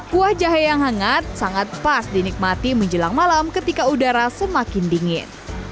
kuah jahe yang hangat sangat pas dinikmati menjelang malam ketika udara semakin dingin